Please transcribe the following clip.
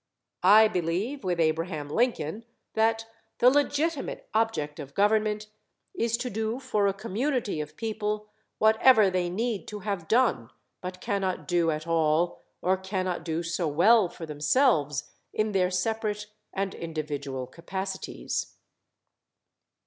I believe with Abraham Lincoln, that "The legitimate object of government is to do for a community of people whatever they need to have done but cannot do at all or cannot do so well for themselves in their separate and individual capacities."